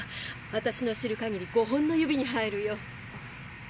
私の知るかぎり５本の指に入るよ。